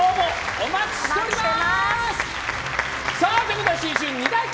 お待ちしています！